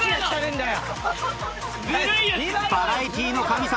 バラエティの神様